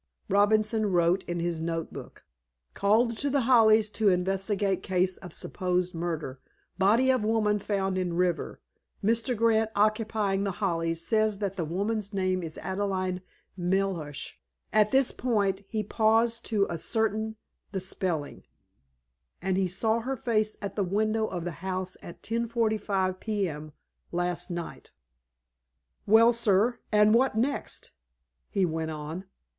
Robinson wrote in his note book:— "Called to The Hollies to investigate case of supposed murder. Body of woman found in river. Mr. Grant, occupying The Hollies, says that woman's name is Adelaide Melhuish"—at this point he paused to ascertain the spelling—"and he saw her face at a window of the house at 10.45 P.M., last night." "Well, sir, and what next?" he went on.